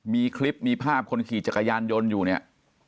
มีคลิปมีภาพคนขี่จักรยานยนต์อยู่เนี่ย